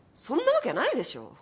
そんなわけないでしょ。